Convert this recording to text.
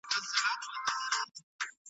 چی له ظلمه تښتېدلی د انسان وم .